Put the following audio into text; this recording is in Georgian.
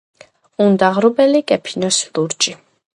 უნდა ღრუბელი გეფინოს ლურჯი